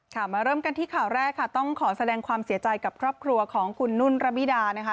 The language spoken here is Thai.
มาเริ่มกันที่ข่าวแรกค่ะต้องขอแสดงความเสียใจกับครอบครัวของคุณนุ่นระบิดานะคะ